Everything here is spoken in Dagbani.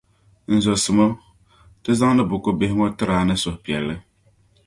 N zɔsimo, Ti zaŋdi buku bihi ŋɔ n-tir' a ni suhi piɛlli.